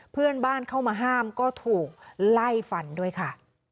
เพื่อนบ้านเข้ามาห้ามก็ถูกไล่ฟันด้วยค่ะ